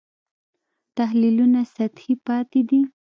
تحلیلونه سطحي پاتې دي.